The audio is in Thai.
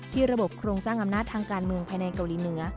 ระบบโครงสร้างอำนาจทางการเมืองภายในเกาหลีเหนือ